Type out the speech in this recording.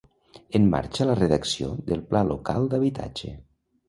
En marxa la redacció del Pla Local d'Habitatge